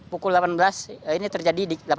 pukul delapan belas ini terjadi di delapan belas